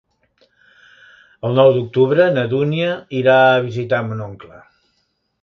El nou d'octubre na Dúnia irà a visitar mon oncle.